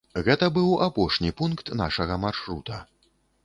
Гэта быў апошні пункт нашага маршрута.